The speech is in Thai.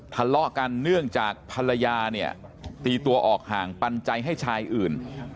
ทะเลาะกันเนื่องจากภรรยาเนี่ยตีตัวออกห่างปันใจให้ชายอื่น